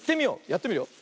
やってみるよ。